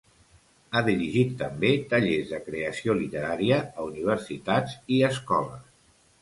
Ha dirigit també tallers de creació literària a universitats i escoles.